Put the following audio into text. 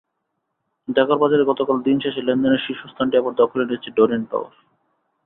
ঢাকার বাজারে গতকাল দিন শেষে লেনদেনের শীর্ষ স্থানটি আবার দখলে নিয়েছে ডরিন পাওয়ার।